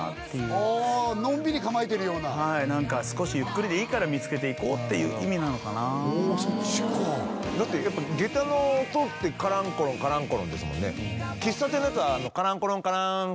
ああのんびり構えてるようなはい見つけていこうっていう意味なのかなおおそっちかだって下駄の音ってカランコロンカランコロンですもんね